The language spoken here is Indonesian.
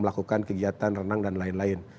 melakukan kegiatan renang dan lain lain